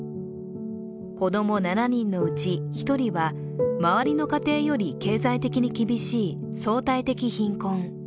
子供７人のうち１人は、周りの家庭より経済的に厳しい相対的貧困。